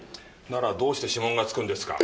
ならどうして指紋がつくんですか？